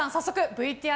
ＶＴＲ！